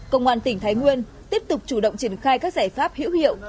công an tỉnh thái nguyên tiếp tục chủ động triển khai các giải pháp hữu hiệu